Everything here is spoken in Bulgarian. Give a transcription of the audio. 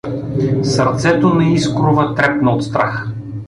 Сърцето, на Искрова трепна от страх.